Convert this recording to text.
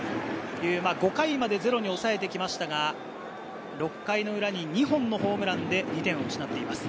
５回までゼロに抑えてきましたが、６回の裏に２本のホームランで２点を失っています。